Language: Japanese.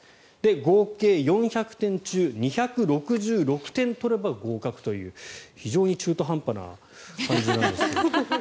合計４００点中２６６点取れば合格という非常に中途半端な感じなんですけど。